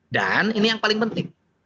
dan ini yang paling penting